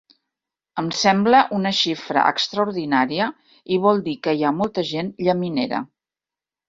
Em sembla una xifra extraordinària i vol dir que hi ha molta gent llaminera!